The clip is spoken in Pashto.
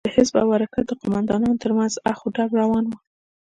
د حزب او حرکت د قومندانانو تر منځ اخ و ډب روان و.